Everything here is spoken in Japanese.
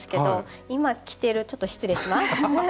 今着てるちょっと失礼します。